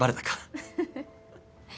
フフフ。